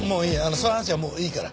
その話はもういいから。